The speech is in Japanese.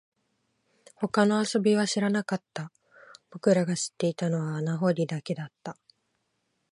他の遊びは知らなかった、僕らが知っていたのは穴掘りだけだった